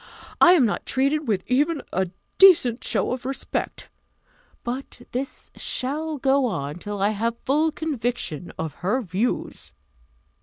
I am not treated with even a decent show of respect! But this shall go on till I have full conviction of her views."